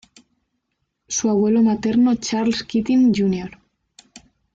Su abuelo materno Charles Keating Jr.